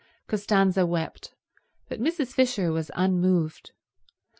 Costanza wept, but Mrs. Fisher was unmoved.